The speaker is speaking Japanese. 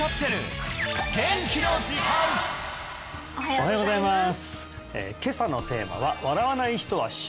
おはようございます